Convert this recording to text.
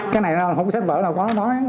cái này không có sách vở nào có nói